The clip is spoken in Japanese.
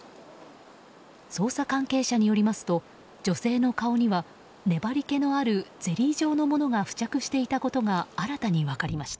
捜査関係者によりますと女性の顔には粘り気のあるゼリー状のものが付着していたことが新たに分かりました。